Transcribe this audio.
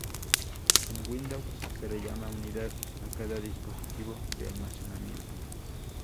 En Windows, se le llama "unidad" a cada dispositivo de almacenamiento.